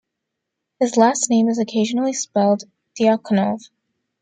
His last name is occasionally spelled Diakonov.